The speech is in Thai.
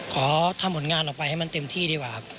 ขอทำหนังงานทำงานออกไปให้มันเต็มที่ดีกว่า